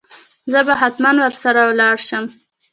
زه به هتمن ور سره ولاړ شم.